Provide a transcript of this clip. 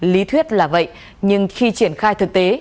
lý thuyết là vậy nhưng khi triển khai thực tế